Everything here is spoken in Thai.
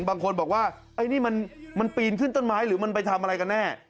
บางคนบอกว่าไอ้นี่มันปีนขึ้นต้นไม้หรือมันไปทำอะไรกันแน่